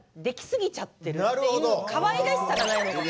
かわいらしさがないのかも。